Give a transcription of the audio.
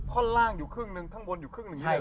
ท่อนล่างอยู่ครึ่งหนึ่งข้างบนอยู่ครึ่งหนึ่งเลย